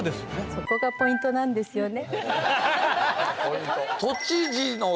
そこがポイントなんですよね。